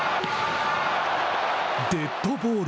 デッドボール。